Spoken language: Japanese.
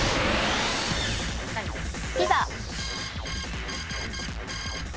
ピザ。